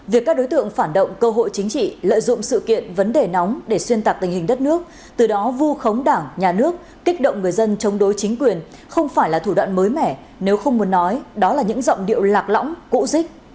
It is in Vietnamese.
việc các đối tượng phản động cơ hội chính trị lợi dụng sự kiện vấn đề nóng để xuyên tạc tình hình đất nước từ đó vu khống đảng nhà nước kích động người dân chống đối chính quyền không phải là thủ đoạn mới mẻ nếu không muốn nói đó là những giọng điệu lạc lõng cụ dích